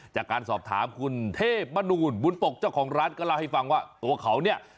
จากการสอบถามคุณเทพมนูลบุญปกเจ้าของร้านก็เล่าให้ฟังว่าตัวเขาเนี่ย